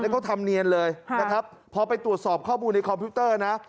เขาทำเนียนเลยนะครับพอไปตรวจสอบข้อมูลในคอมพิวเตอร์นะ